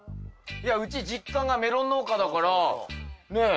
いやうち実家がメロン農家だからねえ